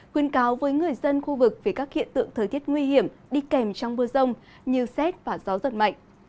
quyên cáo với người dân khu vực về các hiện tượng thời tiết nguy hiểm đi kèm trong mưa rông như xét và gió giật mạnh